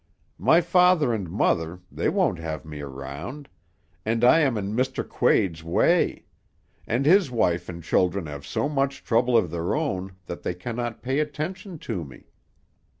My father and mother, they won't have me around, and I am in Mr. Quade's way; and his wife and children have so much trouble of their own that they cannot pay attention to me.